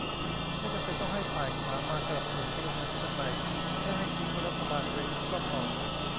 ไม่จำเป็นต้องให้ฝ่ายขวามาสนับสนุนประชาธิปไตย แค่ให้ทิ้งรัฐบาลประยุทธ์ก็พอ